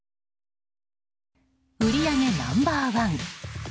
売上ナンバー１